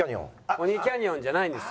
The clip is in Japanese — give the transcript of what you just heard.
ポニーキャニオンじゃないんです。